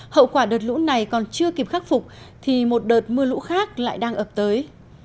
hậu quả đợt lũ này còn chưa kịp khắc phục thì một đợt mưa lũ khác lại đang ập tới